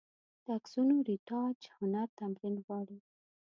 د عکسونو رېټاچ هنر تمرین غواړي.